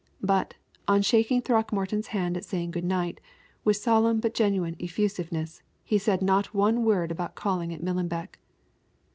But, on shaking Throckmorton's hand at saying good night, with solemn but genuine effusiveness, he said not one word about calling at Millenbeck.